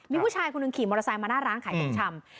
มีผู้ชายคนหนึ่งขี่มอเตอร์ไซค์มาหน้าร้านขายของชำ